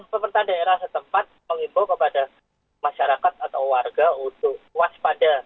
pemerintah daerah setempat mengimbau kepada masyarakat atau warga untuk waspada